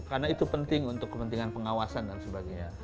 karena itu penting untuk kepentingan pengawasan dan sebagainya